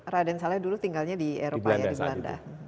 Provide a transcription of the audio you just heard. raden saleh dulu tinggalnya di eropa ya di belanda